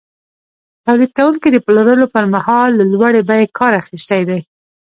تولیدونکي د پلورلو پر مهال له لوړې بیې کار اخیستی دی